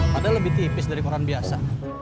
padahal lebih tipis dari koran biasa